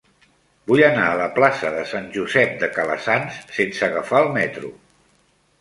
Vull anar a la plaça de Sant Josep de Calassanç sense agafar el metro.